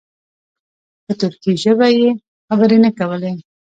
په ترکي ژبه یې خبرې نه کولې.